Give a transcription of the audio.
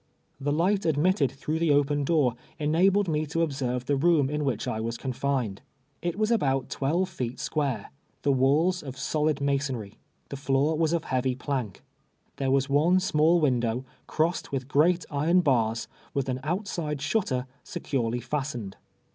The light admitted through the open door enabled me to observe the room in which I was confined. It was about twelve feet srpiare^ — the .walls of solid ma sonry. The floor was of heavy j)lank. There was one small window, crossed with great iron bars, with an outside shutter, securely fastened.